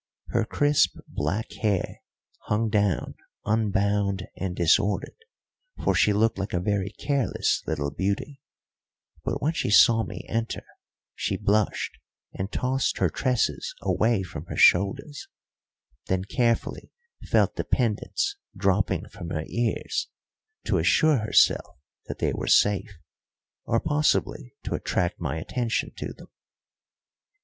Her crisp, black hair hung down unbound and disordered, for she looked like a very careless little beauty; but when she saw me enter, she blushed and tossed her tresses away from her shoulders, then carefully felt the pendants dropping from her ears to assure herself that they were safe, or possibly to attract my attention to them.